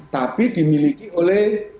tapi dimiliki oleh